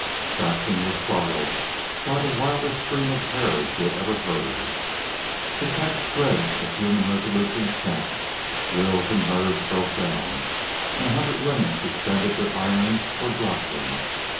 Saxon was startled by the wildest scream of terror she had ever heard. The tense thread of human resolution snapped; wills and nerves broke down, and a hundred women suspended their irons or dropped them.